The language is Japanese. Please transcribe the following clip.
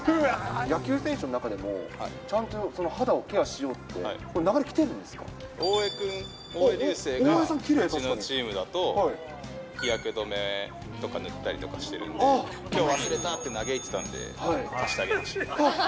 野球選手の中でもちゃんと肌をケアしようって、大江君、大江竜聖がうちのチームだと、日焼け止めとか塗ったりしてるんで、きょう忘れた！って嘆いてたんで貸してあげました。